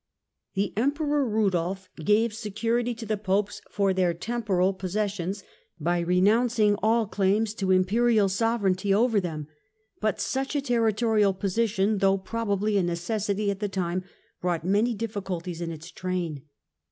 The Emperor Eudolf gave security to the Popes for their temporal possessions, by renouncing all claims to Imperial Sovereignty over them ; but such a territorial position, though probably a necessity at the time, brought many difficulties in its train.